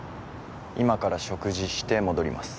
今から食事して戻ります